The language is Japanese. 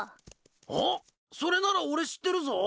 あっそれなら俺知ってるぞ。